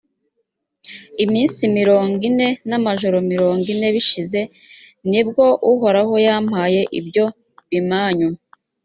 iminsi mirongo ine n’amajoro mirongo ine bishize, ni bwo uhoraho yampaye ibyo bimanyu